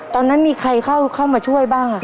ตอนนั้นมีใครเข้ามาช่วยบ้าง